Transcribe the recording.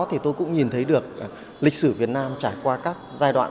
thì tôi cũng nhìn thấy được lịch sử việt nam trải qua các giai đoạn